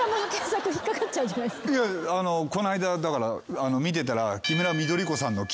この間だから見てたら。